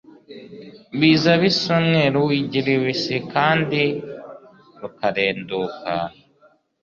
biza bisa umweru w'igi ribisi kandi rukarenduka.